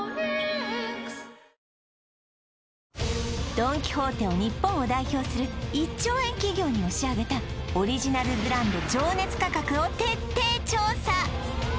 ドン・キホーテを日本を代表する１兆円企業に押し上げたオリジナルブランド情熱価格を徹底調査